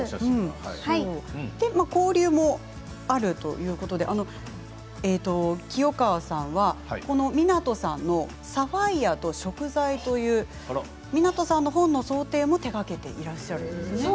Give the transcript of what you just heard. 交流もあるということで清川さんは湊さんの「サファイア」と「贖罪」という湊さんの本の装丁も手がけてらっしゃるんですよね。